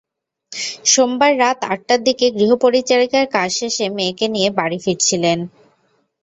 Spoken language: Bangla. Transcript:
সোমবার রাত আটটার দিকে গৃহপরিচারিকার কাজ শেষে মেয়েকে নিয়ে বাড়ি ফিরছিলেন।